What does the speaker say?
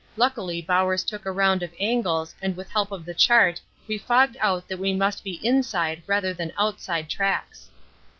Luckily Bowers took a round of angles and with help of the chart we fogged out that we must be inside rather than outside tracks.